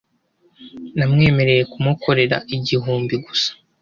Namwemereye kumukorera igihumbi gusa